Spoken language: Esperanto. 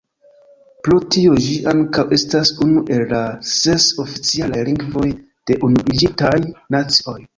Pro tio ĝi ankaŭ estas unu el la ses oficialaj lingvoj de Unuiĝintaj Nacioj.